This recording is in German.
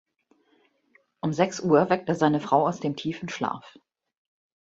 Um sechs Uhr weckt er seine Frau aus dem tiefen Schlaf.